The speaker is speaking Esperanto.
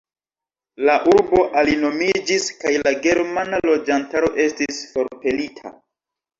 La urbo alinomiĝis kaj la germana loĝantaro estis forpelita.